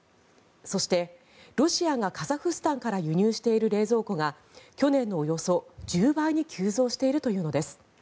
そしてロシアがカザフスタンから輸入している冷蔵庫が去年のおよそ１０倍に急増しているというのです。